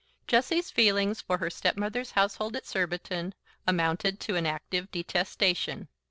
Jessie's feelings for her stepmother's household at Surbiton amounted to an active detestation.